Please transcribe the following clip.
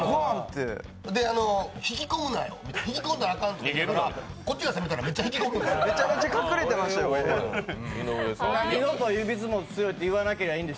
で、引き込むなよ引き込んだらあかんとか言うからこっちが攻めたらめっちゃ引き込むんで。